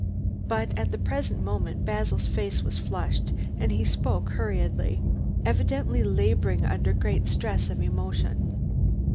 But at the present moment Basil's face was flushed, and he spoke hurriedly, evidently laboring under great stress of emotion.